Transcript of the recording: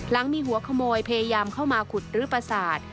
หลังมีหัวขโมยพยายามเข้ามาขุดรื้อประสาท